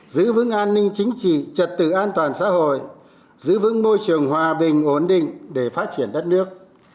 giữ vững an ninh chính trị trật tự an toàn xã hội giữ vững môi trường hòa bình ổn định để phát triển đất nước